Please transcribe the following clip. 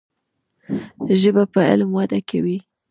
ژبه په علم وده کوي.